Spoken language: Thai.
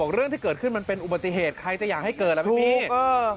เรื่องที่เกิดขึ้นมันเป็นอุบัติเหตุใครจะอยากให้เกิดล่ะพี่เออ